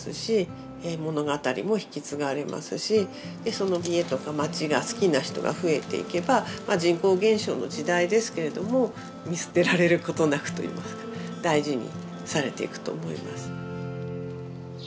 その家とか街が好きな人が増えていけば人口減少の時代ですけれども見捨てられることなくといいますか大事にされていくと思います。